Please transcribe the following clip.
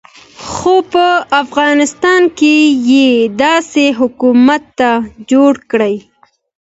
خو په افغانستان کې یې داسې حکومت جوړ کړ.